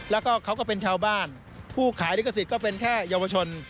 แล้วก็เขาก็เป็นชาวบ้านผู้ขายลิขสิทธิ์ก็เป็นแค่เยาวชน